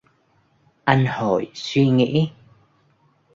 Anh Hội suy nghĩ